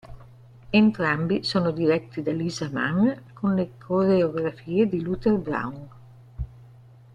Entrambi sono diretti da Lisa Mann, con le coreografie di Luther Brown.